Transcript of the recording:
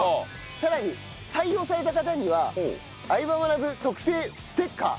さらに採用された方には『相葉マナブ』特製ステッカー